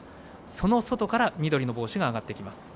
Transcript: その外から緑の帽子が上がってきます。